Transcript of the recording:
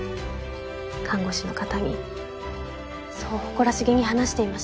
看護師の方にそう誇らしげに話していました。